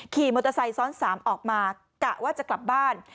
ขี่มอเตอร์ไซค์ซ้อน๓ออกมากะว่าจะกลับบ้าน